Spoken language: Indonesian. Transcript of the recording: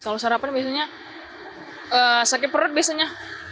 kalau sarapan biasanya sakit perut biasanya